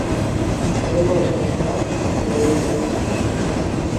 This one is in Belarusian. Займаўся гаспадаркай у радавым маёнтку.